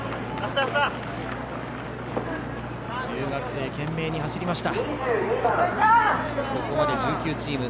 中学生、懸命に走りました。